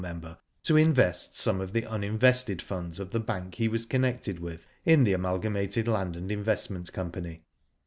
member to invest some of the uninvested funds of the bank he was connected with in the Amalgamated Land and Investment Company.